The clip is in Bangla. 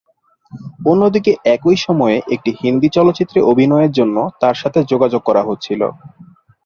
অন্যদিকে একই সময়ে একটি হিন্দি চলচ্চিত্রে অভিনয়ের জন্য তাঁর সাথে যোগাযোগ করা হচ্ছিল।